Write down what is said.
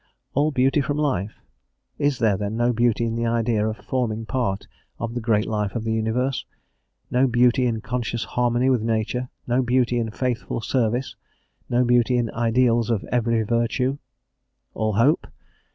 All beauty from life? Is there, then, no beauty in the idea of forming part of the great life of the universe, no beauty in conscious harmony with Nature, no beauty in faithful service, no beauty in ideals of every virtue? "All hope?"